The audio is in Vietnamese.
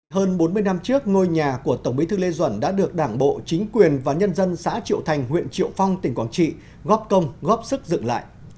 hơn bốn mươi năm trước ngôi nhà của tổng bí thư lê duẩn đã được đảng bộ chính quyền và nhân dân xã triệu thành huyện triệu phong tỉnh quảng trị góp công góp sức dựng lại